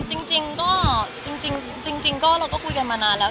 จริงก็จริงก็เราก็คุยกันมานานแล้ว